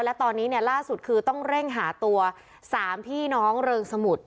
และตอนนี้เนี่ยล่าสุดคือต้องเร่งหาตัว๓พี่น้องเริงสมุทร